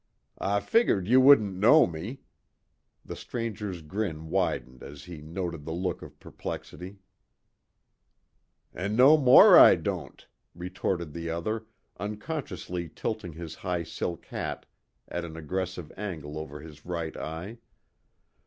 "I figured you wouldn't know me." The stranger's grin widened as he noted the look of perplexity. "An' no more I don't," retorted the other, unconsciously tilting his high silk hat at an aggressive angle over his right eye.